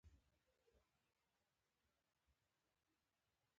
وسله وال د شېرګل عمل بد وباله.